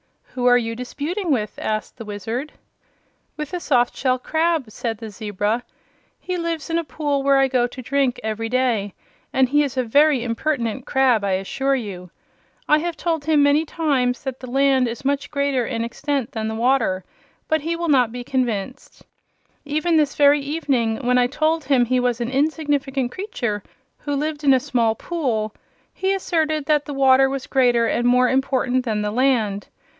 "Who are you disputing with?" asked the Wizard. "With a soft shell crab," said the zebra. "He lives in a pool where I go to drink every day, and he is a very impertinent crab, I assure you. I have told him many times that the land is much greater in extent than the water, but he will not be convinced. Even this very evening, when I told him he was an insignificant creature who lived in a small pool, he asserted that the water was greater and more important than the land.